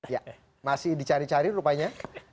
ya masih dicari cari rupanya